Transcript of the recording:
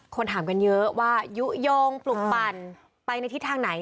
ถามกันเยอะว่ายุโยงปลุกปั่นไปในทิศทางไหน